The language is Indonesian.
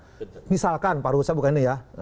kalau kita mengingatkan pak ruhut saya bukan ini ya